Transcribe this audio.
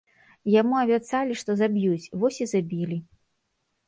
Яму абяцалі, што заб'юць, вось і забілі.